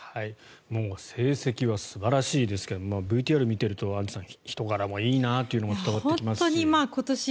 もう成績は素晴らしいですけどもＶＴＲを見ているとアンジュさん、人柄もいいのが伝わってきますし。